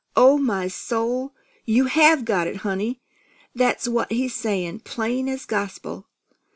"On my soul! You have got it, honey! That's what he's saying, plain as gospel!